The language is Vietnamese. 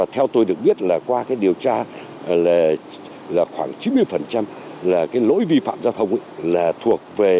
theo tôi được biết qua điều tra khoảng chín mươi lỗi vi phạm giao thông thuộc về